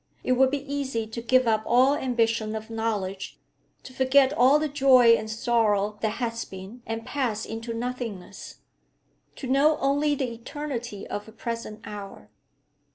It would be easy to give up all ambition of knowledge, to forget all the joy and sorrow that has been and passed into nothingness; to know only the eternity of a present hour.